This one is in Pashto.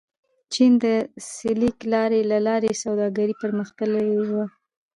چین د سیلک لارې له لارې سوداګري پرمختللې وه.